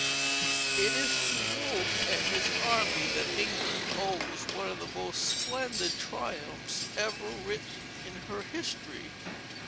It is to Wolfe and his army that England owes one of the most splendid triumphs, ever written in her history.